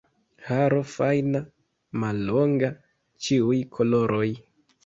Haro fajna, mallonga, ĉiuj koloroj.